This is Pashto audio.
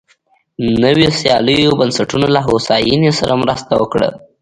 نویو سیاسي بنسټونو له هوساینې سره مرسته وکړه.